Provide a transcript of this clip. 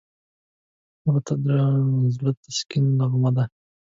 مړه ته د زړه تسکین نغمه ده